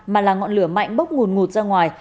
mà là ngọn lửa mạnh bốc nguồn ngụt ra ngoài